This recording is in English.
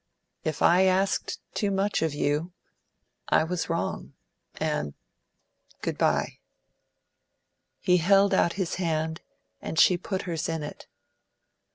If I asked too much of you, I was wrong. And good bye." He held out his hand, and she put hers in it.